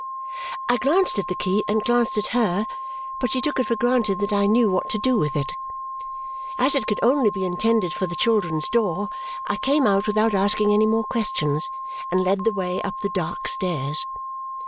I glanced at the key and glanced at her, but she took it for granted that I knew what to do with it. As it could only be intended for the children's door, I came out without asking any more questions and led the way up the dark stairs.